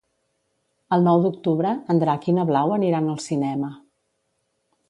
El nou d'octubre en Drac i na Blau aniran al cinema.